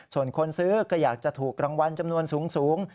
ส่วนคนซื้อก็อยากจะถูกรางวัลจำนวนสูง